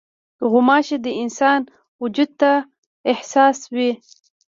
غوماشې د انسان وجود ته حساس وي.